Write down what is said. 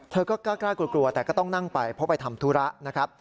เธอก็กล้ากลัวแต่ก็ต้องนั่งไปเพราะไปทำธุระนะครับ